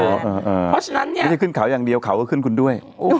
เพราะฉะนั้นเนี่ยไม่ใช่ขึ้นเขาอย่างเดียวเขาก็ขึ้นคุณด้วย